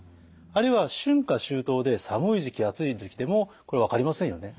あるいは春夏秋冬で寒い時期暑い時期でもこれ分かりませんよね。